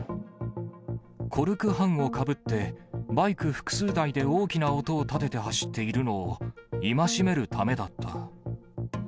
コルク半をかぶって、バイク複数台で大きな音を立てて走っているのを戒めるためだった。